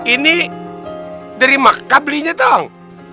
ini dari mekah belinya tong